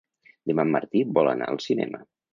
Demà en Martí vol anar al cinema.